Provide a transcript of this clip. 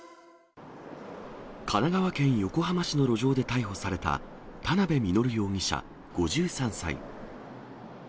神奈川県横浜市の路上で逮捕された、田辺実容疑者５３歳。